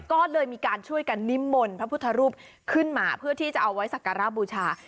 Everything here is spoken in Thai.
ก็เลยมีการช่วยกันนิมนต์พระพุทธรูปขึ้นมาเพื่อที่จะเอาไว้สักการะบูชา